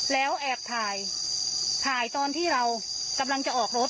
แล้วแอบถ่ายถ่ายตอนที่เรากำลังจะออกรถ